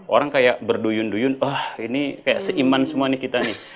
orang kayak berduyun duyun wah ini kayak seiman semua nih kita nih